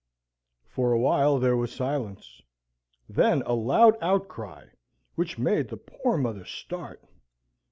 For a while there was silence: then a loud outcry, which made the poor mother start.